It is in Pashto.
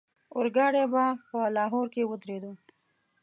اورګاډی به په لاهور کې ودرېدو.